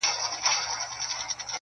د ښار کوڅې به وي لښکر د ابوجهل نیولي٫